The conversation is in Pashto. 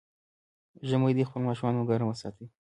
ژمی دی، خپل ماشومان مو ګرم وساتئ.